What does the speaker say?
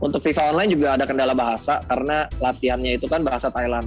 untuk fifa online juga ada kendala bahasa karena latihannya itu kan bahasa thailand